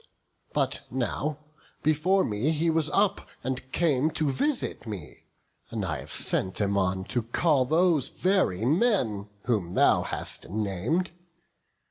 But now, before me he was up, and came To visit me; and I have sent him on To call those very men whom thou hast nam'd.